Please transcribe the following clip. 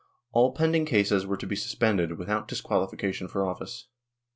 All pending cases were to be sus pended, without disqualification for office.